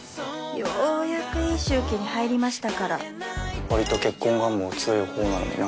ようやくいい周期に入りましたからわりと結婚願望強いほうなのにな